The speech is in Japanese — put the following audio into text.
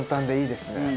はいいいですね。